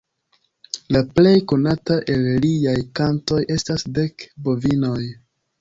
La plej konata el liaj kantoj estas Dek bovinoj.